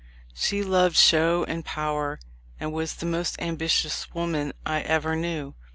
She loved show and power, and was the most ambi tious woman I ever knew.